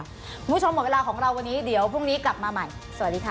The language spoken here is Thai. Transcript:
หมดเวลาของเราวันนี้เดี๋ยวพรุ่งนี้กลับมาใหม่สวัสดีค่ะ